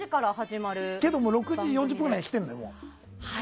でも６時４０分ぐらいには来てるのよ。